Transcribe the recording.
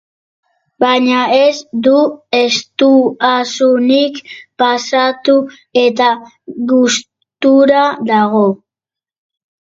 Baina ez du estuasunik pasatu eta gustura dago.